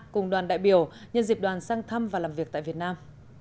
cùng đoàn đại biểu nhân dịp đoàn sang thăm và làm việc tại việt nam